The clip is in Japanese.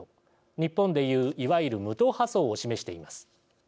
日本で言ういわゆる無党派層を示しています。